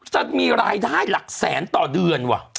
จะมีรายได้หลักแสนต่อเดือนว่ะ